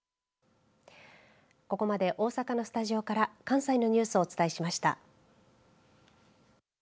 ここまで、大阪のスタジオから関西のニュースをお伝えしました。